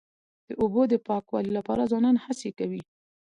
د اوبو د پاکوالي لپاره ځوانان هڅې کوي.